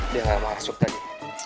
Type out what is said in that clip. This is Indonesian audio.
dia gak masuk tadi